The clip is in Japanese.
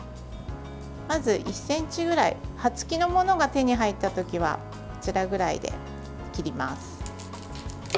まず１ｃｍくらい葉つきのものが手に入った時はこちらぐらいで切ります。